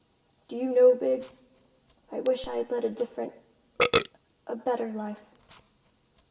"Do you know, Biggs, I wish I had led a different—a better life."